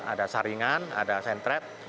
ada saringan ada sentret